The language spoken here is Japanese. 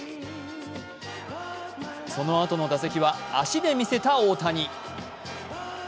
そのあとの打席は足で見せた大谷。